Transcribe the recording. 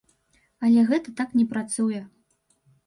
Але гэта так не працуе.